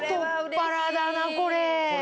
太っ腹だなこれ。